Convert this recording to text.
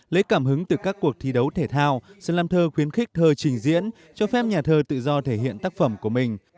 lấy cảm hứng từ các cuộc thi đấu thể thao slam thơ khuyến khích thơ trình diễn cho phép nhà thơ tự do thể hiện tác phẩm của mình